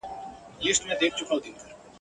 هر پاچا ورته لېږله سوغاتونه ..